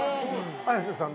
綾瀬さん